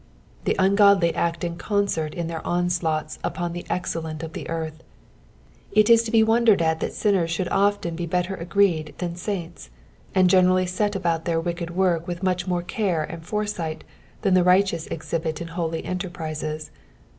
Tha ungodly act in concert in their onslaughts upon the excellent of the earth ; it IS to be wondered at that sinners abould often be better agreed than sainta, and generally aet about thnr wicked work with much more care and foresight than the righteous exhibit in holy enterprises.